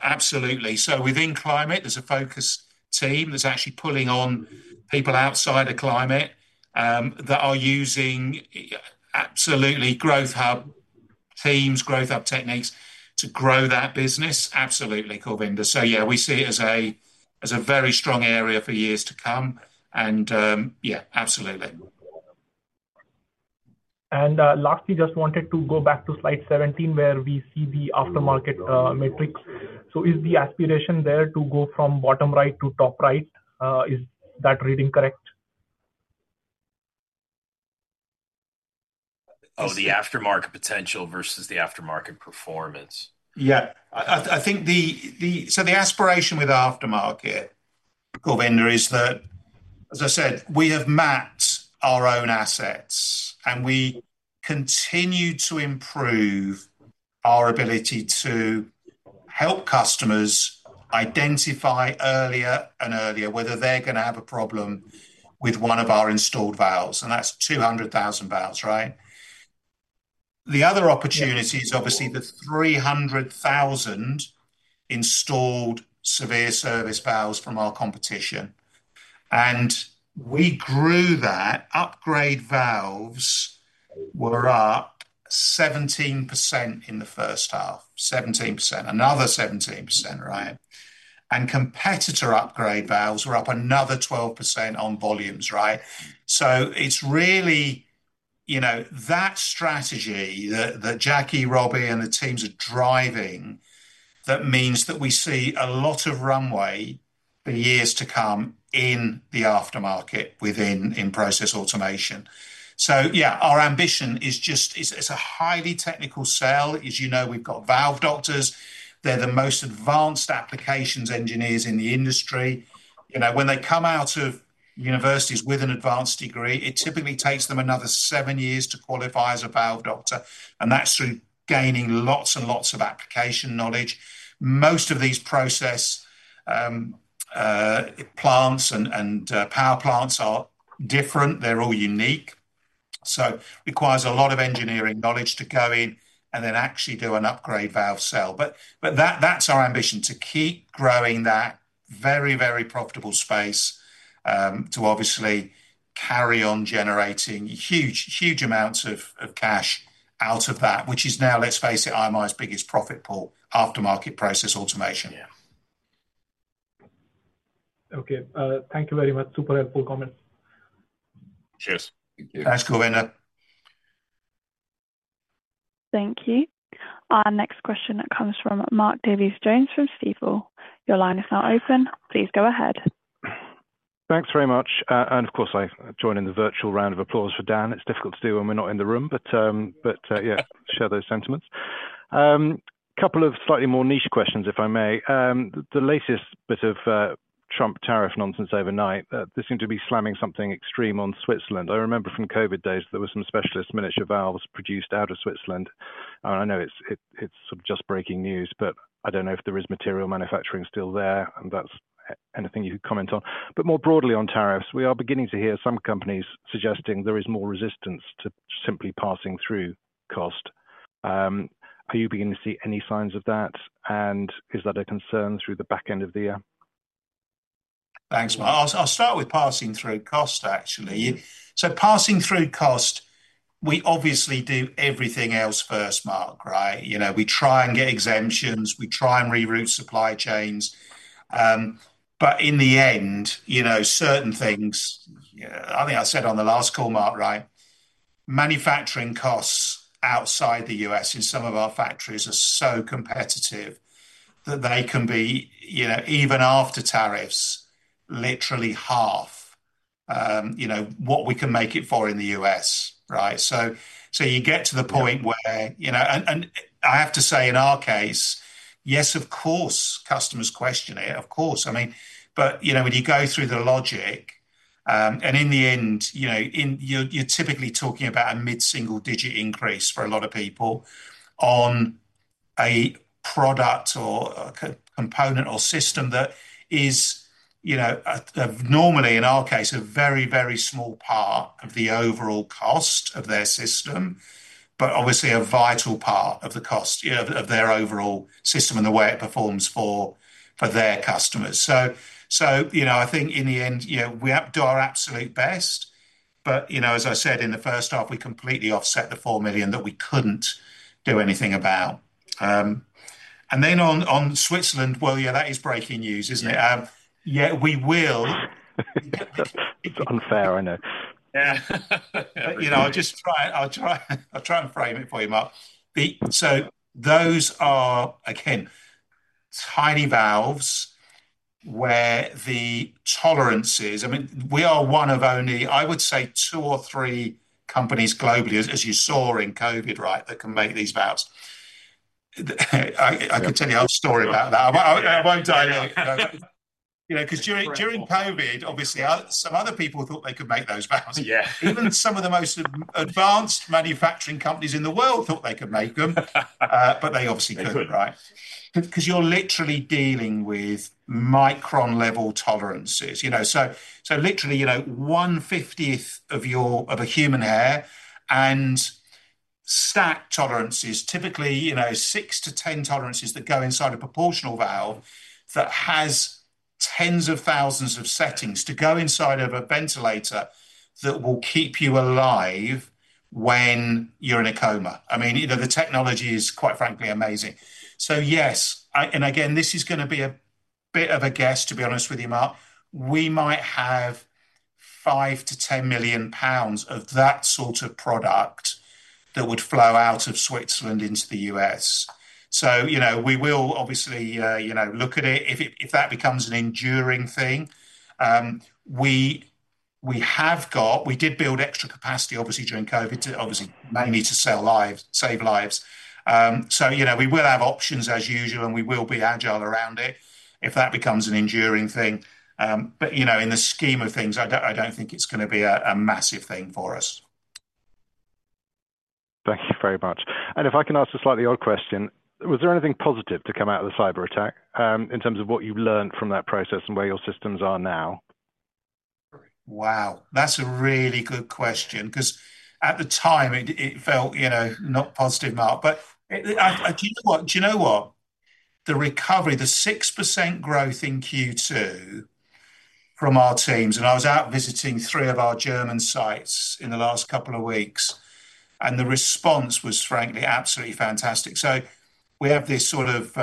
Absolutely. Within Climate, there's a focus team that's actually pulling on people outside of Climate that are using growth hub teams, growth hub techniques to grow that business. Absolutely, Kulwinder. We see it as a very strong area for years to come. Absolutely. Lastly, just wanted to go back to Slide 17 where we see the aftermarket metrics. Is the aspiration there to go from bottom right to top right? Is that reading correct? Oh, the aftermarket potential versus the aftermarket performance. I think the aspiration with aftermarket, Kulwinder, is that, as I said, we have mapped our own assets and we continue to improve our ability to help customers identify earlier and earlier whether they're going to have a problem with one of our installed valves. That's 200,000 valves. The other opportunity is obviously the 300,000 installed severe service valves from our competition, and we grew that. Upgrade valves were up 17% in the first half. 17%. Another 17%. Right. Competitor upgrade valves were up another 12% on volumes. It is really, you know, that strategy that Jackie, Robbie and the teams are driving, that means that we see a lot of runway for years to come in the aftermarket within Process Automation. Our ambition is just, it's a highly technical sell, as you know. We've got valve doctors. They're the most advanced applications engineers in the industry. When they come out of universities with an advanced degree, it typically takes them another seven years to qualify as a valve doctor. That's through gaining lots and lots of application knowledge. Most of these process plants and power plants are different, they're all unique, so it requires a lot of engineering knowledge to go in and then actually do an upgrade valve sell. That's our ambition to keep growing that very, very profitable space to obviously carry on generating huge, huge amounts of cash out of that, which is now, let's face it, IMI's biggest profit pool. Aftermarket Process Automation. Okay, thank you very much. Super helpful comments. Cheers. Thanks Kulwinder. Thank you. Our next question comes from Mark Davies Jones from Stifel. Your line is now open. Please go ahead. Thanks very much. Of course, I join in the virtual round of applause for Dan. It's difficult to do when we're not in the room, but yeah, share those sentiments. Couple of slightly more niche questions if I may. The latest bit of Trump tariff nonsense. Overnight they seem to be slamming something extreme on Switzerland. I remember from COVID days there were some specialist miniature valves produced out of Switzerland. I know it's just breaking news, but I don't know if there is material manufacturing still there and if that's anything you could comment on. More broadly on tariffs, we are beginning to hear some companies suggesting there is more resistance to simply passing through cost. Are you beginning to see any signs of that and is that a concern through the back end of the year? Thanks, Mark. I'll start with passing through cost, actually. Passing through cost, we obviously do everything else first, Mark. Right? We try and get exemptions, we try and reroute supply chains, but in the end, certain things—I think I said on the last call, Mark—manufacturing costs outside the U.S. in some of our factories are so competitive that they can be, even after tariffs, literally half what we can make it for in the U.S. You get to the point where I have to say, in our case, yes, of course, customers question it, of course. When you go through the logic, in the end you're typically talking about a mid single-digit increase for a lot of people on a product or component or system that is normally, in our case, a very, very small part of the overall cost of their system, but obviously a vital part of the cost of their overall system and the way it performs for their customers. I think in the end we do our absolute best, but as I said, in the first half we completely offset the $4 million that we couldn't do anything about. On Switzerland, that is breaking news, isn't it? We will. It's unfair, I know. Yeah. I'll try and frame it for you, Mark. Those are again tiny valves where the tolerances, I mean we are one of only, I would say, two or three companies globally, as you saw in COVID, that can make these valves. I could tell you a story about that because during COVID obviously some other people thought they could make those valves. Yeah. Even some of the most advanced manufacturing companies in the world thought they could make them, but they obviously couldn't. Right. Because you're literally dealing with micron-level tolerances, you know, so literally, you know, 1/50th of a human hair and stack tolerances, typically, you know, six to 10 tolerances that go inside a proportional valve that has tens of thousands of settings to go inside of a ventilator that will keep you alive when you're in a coma. I mean, you know, the technology is, quite frankly, amazing. Yes, and again, this is going to be a bit of a guess, to be honest with you, Mark. We might have 5 million-10 million pounds of that sort of product that would flow out of Switzerland into the U.S., so, you know, we will obviously look at it. If that becomes an enduring thing. We did build extra capacity, obviously during COVID, mainly to save lives. We will have options as usual, and we will be agile around it if that becomes an enduring thing. In the scheme of things, I don't think it's going to be a massive thing for us. Thank you very much. If I can ask a slightly odd question, was there anything positive to come out of the cyber attack in terms of what you learned from that process and where your systems are now? Wow, that's a really good question. At the time it felt, you know, not positive, Mark. The recovery, the 6% growth in Q2 from our teams, and I was out visiting three of our German sites in the last couple of weeks and the response was frankly, absolutely fantastic. We have this sort of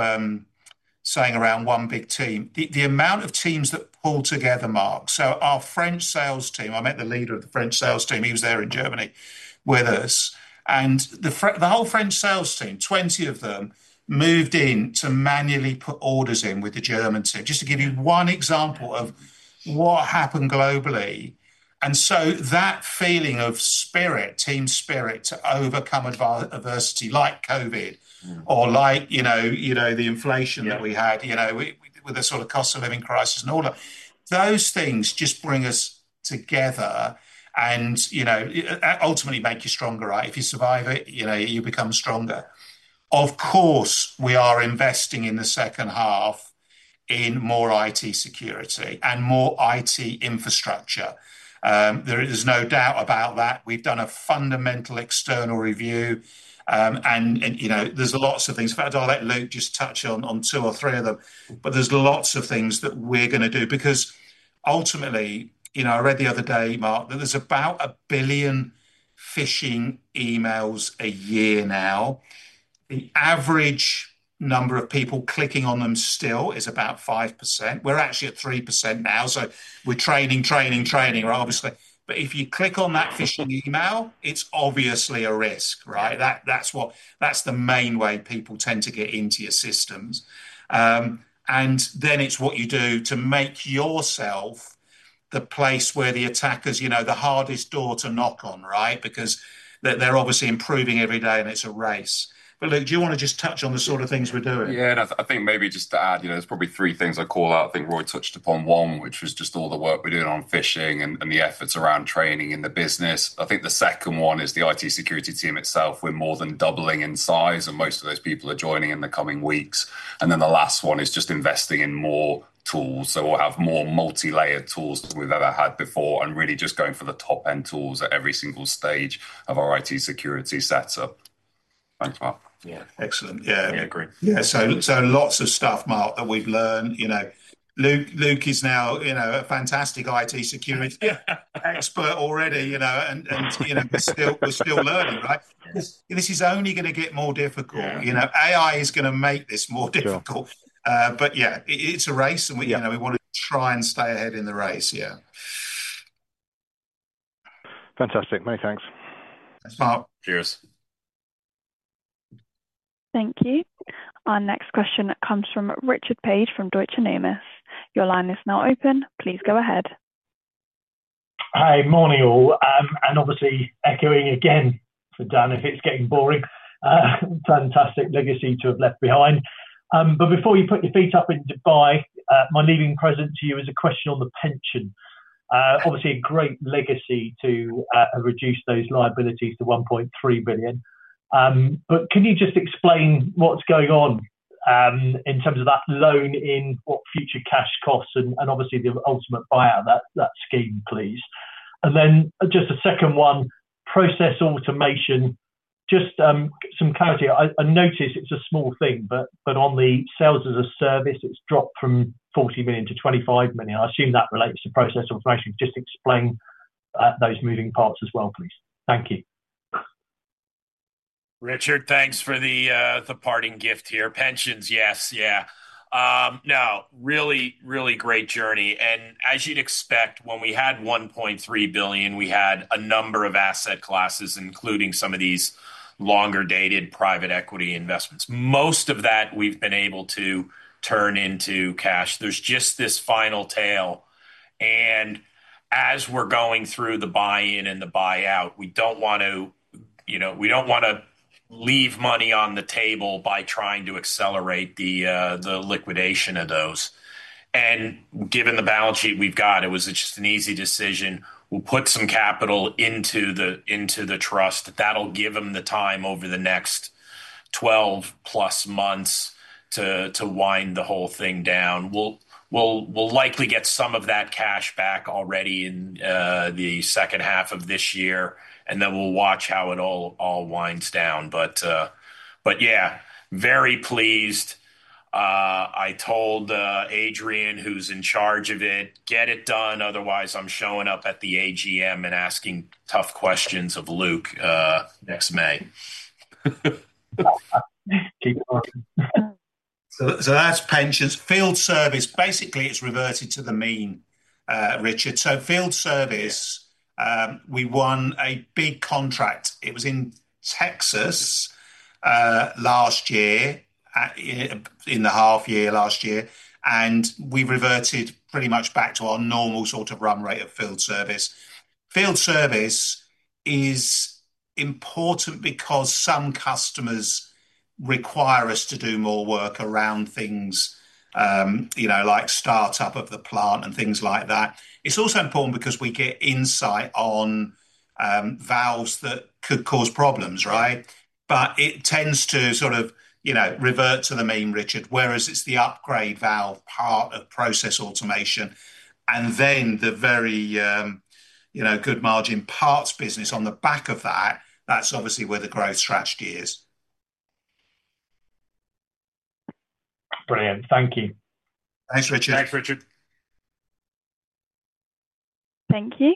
saying around one big team, the amount of teams that pull together. Mark, our French sales team, I met the leader of the French sales team. He was there in Germany with us. The whole French sales team, 20 of them, moved in to manually put orders in with the German team. Just to give you one example of what happened globally. That feeling of team spirit, to overcome adversity like COVID or the inflation that we had with the cost of living crisis and all that, those things just bring us together and ultimately make you stronger. If you survive it, you become stronger. Of course, we are investing in the second half in more IT security and more IT infrastructure. There is no doubt about that. We've done a fundamental external review and there's lots of things. I'll let Luke just touch on two or three of them. There are lots of things that we're going to do because ultimately, I read the other day, Mark, that there's about a billion phishing emails a year now. The average number of people clicking on them still is about 5%. We're actually at 3% now. We're training, training, training, obviously. If you click on that phishing email, it's obviously a risk. That's the main way people tend to get into your systems and then it's what you do to make yourself the place where the attackers, you know, the hardest door to knock on. Right. Because they're obviously improving every day and it's a race. Luke, do you want to just touch on the sort of things we're doing? Yeah, I think maybe just to add, you know, there's probably three things I call out. I think Roy touched upon one, which. Was just all the work we're doing. On phishing and the efforts around training in the business. I think the second one is the IT security team itself. We're more than doubling in size and most of those people are joining in the coming weeks. The last one is just investing in more tools. We'll have more multi-layered tools than we've ever had before and really just going for the top end tools at every single stage of our IT security setup. Thanks, Mark. Yeah, excellent. Yeah, I agree. Yeah, lots of stuff, Mark, that we've learned. Luke is now a fantastic IT security expert already, and we're still learning. This is only going to get more difficult. AI is going to make this more difficult. It's a race, and we want to try and stay ahead in the race. Yeah. Fantastic. Many thanks. Cheers. Thank you. Our next question comes from Richard Paige from Deutsche Numis. Your line is now open. Please go ahead. Hey, morning all. Obviously echoing again for Dan, if it's getting boring. Fantastic legacy to have left behind. Before you put your feet up in Dubai, my leaving present to you is a question on the pension. Obviously a great legacy to reduce those liabilities to 1.3 billion. Can you just explain what's going on in terms of that loan, what future cash costs, and the ultimate buyout of that scheme, please? Just a second one. Process Automation. Some clarity. I notice it's a small thing, but on the sales as a service, it's dropped from 40 million to 25 million. I assume that relates to Process Automation. Just explain those moving parts as well, please. Thank you. Richard, thanks for the parting gift here. Pensions, yes. Yeah, no, really, really great journey. As you'd expect, when we had 1.3 billion, we had a number of asset classes, including some of these longer-dated private equity investments. Most of that we've been able to turn into cash. There's just this final tail, and as we're going through the buy-in and the buyout, we don't want to leave money on the table by trying to accelerate the liquidation of those. Given the balance sheet we've got, it was just an easy decision. We'll put some capital into the trust. That'll give them the time over the next 12+ months to wind the whole thing down. We'll likely get some of that cash back already in the second half of this year, and then we'll watch how it all winds down. Yeah, very pleased. I told Adrian, who's in charge of it, get it done. Otherwise, I'm showing up at the AGM and asking tough questions of Luke next May. That's pensions. Field service, basically it's reverted to the mean, Richard. Field service, we won a big contract, it was in Texas last year, in the half year last year. We've reverted pretty much back to our normal sort of run rate of field service. Field service is important because some customers require us to do more work around things, you know, like startup of the plant and things like that. It's also important because we get insight on valves that could cause problems. Right. It tends to sort of, you know, revert to the mean, Richard. Whereas it's the upgrade valve part of Process Automation and then the very, you know, good margin parts business on the back of that. That's obviously where the growth strategy is. Brilliant. Thank you. Thanks, Richard. Thanks, Richard. Thank you.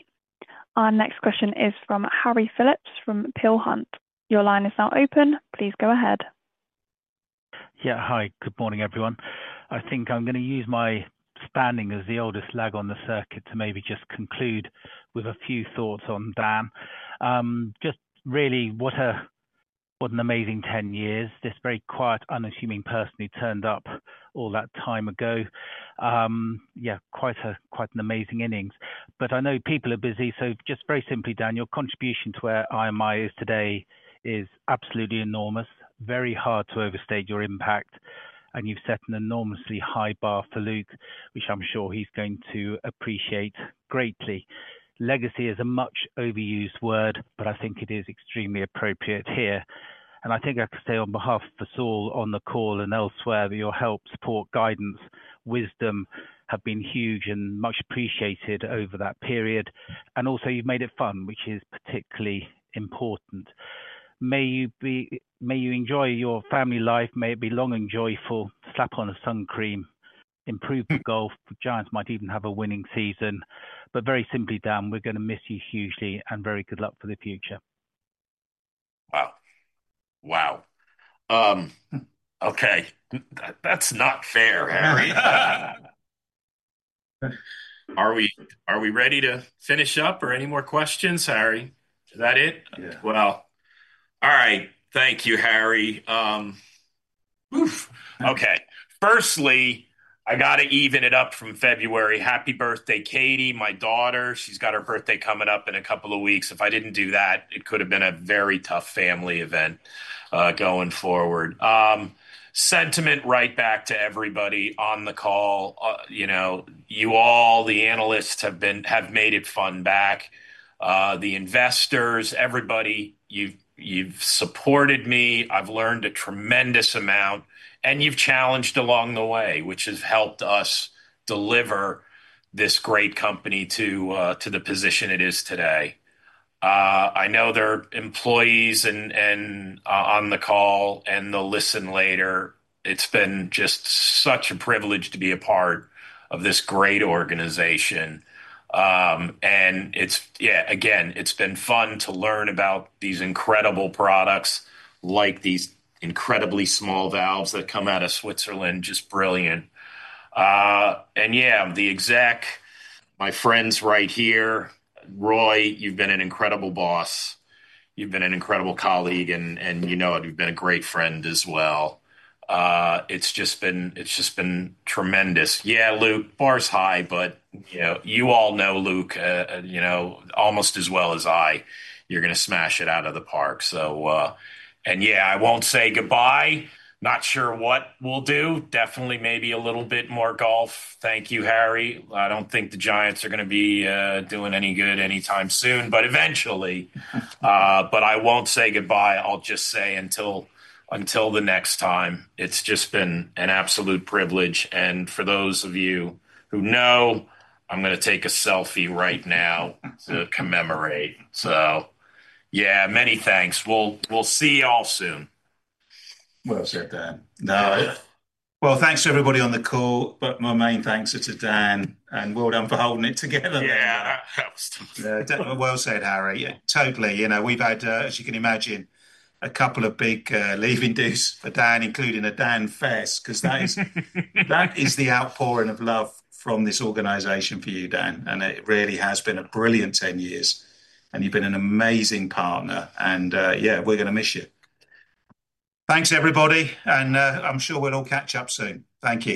Our next question is from Harry Phillips from Peel Hunt. Your line is now open. Please go ahead. Yeah, hi, good morning, everyone. I think I'm going to use my standing as the oldest leg on the circuit to maybe just conclude with a few thoughts on Dan. Just really what an amazing 10 years. This very quiet, unassuming person who turned up all that time ago. Yeah, quite an amazing innings. I know people are busy, so just very simply, Dan, your contribution to where IMI is today is absolutely enormous. Very hard to overstate your impact and you've set an enormously high bar for Luke, which I'm sure he's going to appreciate greatly. Legacy is a much overused word, but I think it is extremely appropriate here and I think I could say on behalf of us all on the call and elsewhere that your help, support, guidance, wisdom have been huge and much appreciated over that period. Also, you've made it fun, which is particularly important. May you enjoy your family life. May it be long and joyful. Slap on a sun cream, improve the golf, Giants might even have a winning season. Very simply, Dan, we're going to miss you hugely and very good luck for the future. Wow. Okay, that's not fair. Are we ready to finish up or any more questions? Harry, is that it? All right. Thank you, Harry. Firstly, I gotta even it up from February. Happy birthday Katie, my daughter. She's got her birthday coming up in a couple of weeks. If I didn't do that, it could have been a very tough family event going forward. Sentiment right back to everybody on the call. You know, you all, the analysts, have made it fun, the investors, everybody, you've supported me, I've learned a tremendous amount and you've challenged along the way which has helped us deliver this great company to the position it is today. I know there are employees on the call and they'll listen later. It's been just such a privilege to be a part of this great organization and it's, yeah, again it's been fun to learn about these incredible products like these incredibly small valves that come out of Switzerland. Just brilliant. The exec, my friends right here. Roy, you've been an incredible boss, you've been an incredible colleague and you've been a great friend as well. It's just been tremendous. Luke bars high but you all know Luke, you know almost as well as I, you're going to smash it out of the park. I won't say goodbye. Not sure what we'll do. Definitely maybe a little bit more golf. Thank you, Harry. I don't think the Giants are going to be doing any good anytime soon. Eventually. I won't say goodbye. I'll just say until the next time. It's just been an absolute privilege and for those of you who know, I'm going to take a selfie right now to commemorate. Many thanks. We'll see y'all soon. Thanks to everybody on the call, but my main thanks are to Dan. Well done for holding it together. Yeah, that helps. You know, we've had, as you can imagine, a couple of big leaving dues for Dan, including a Dan Fess. That is the outpouring of love from this organization for you, Dan. It really has been a brilliant 10 years and you've been an amazing partner. Yeah, we're going to miss you. Thanks, everybody, and I'm sure we'll all catch up soon. Thank you.